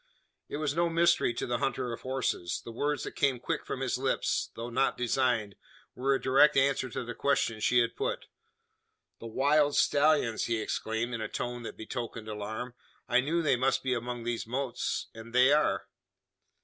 It was no mystery to the hunter of horses. The words that came quick from his lips though not designed were a direct answer to the question she had put. "The wild stallions!" he exclaimed, in a tone that betokened alarm. "I knew they must be among those mottes; and they are!"